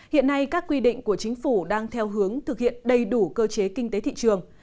hiện nay các quy định của chính phủ đang theo hướng thực hiện đầy đủ cơ chế kinh tế thị trường